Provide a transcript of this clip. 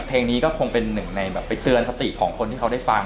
เพลงนี้ก็คงเป็นหนึ่งในแบบไปเตือนสติของคนที่เขาได้ฟัง